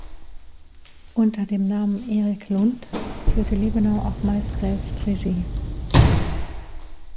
Unter dem Namen „Erik Lund“ führte Liebenau auch meist selbst Regie.